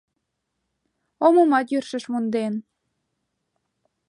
Омымат йӧршеш монден.